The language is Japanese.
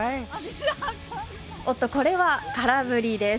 おっと、これは空振りです。